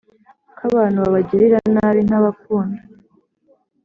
ko abantu babagirira nabi ntabakunda